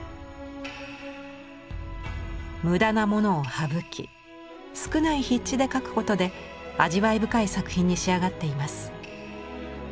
無駄なものを省き少ない筆致で描くことで味わい深い作品に仕上がっています。